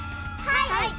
はい。